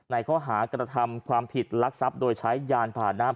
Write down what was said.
ในข้อหากระทำความผิดลักทรัพย์โดยใช้ยานผ่านะ